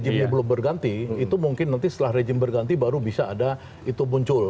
jadi kalau ini belum berganti itu mungkin nanti setelah regimen berganti baru bisa ada itu muncul